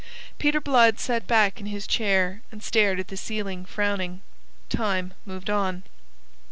Peter Blood sat back in his chair and stared at the ceiling, frowning. Time moved on.